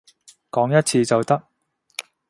講一次就得